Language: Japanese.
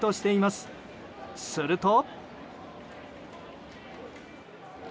すると。